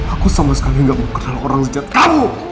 aku sama sekali gak mau kenal orang zat kamu